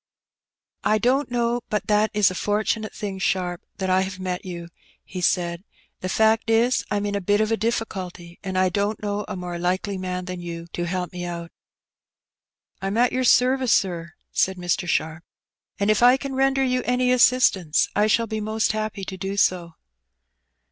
"I don't know but that it is a fortunate thing. Sharp, that I have met you,'* he said. " The fact is, Tm in a bit of a difficulty, and I don't know a more likely man than you to help me out. " I*m at your service, sir, said Mr. Sharp, " and if I can render you any assistance, I shall be most happy to do so.